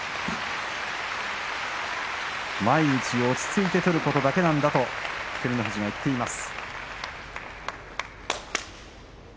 毎日落ち着いて取ることだけなんだと照ノ富士が言っています。